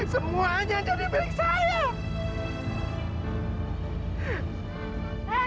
semuanya jadi beli saya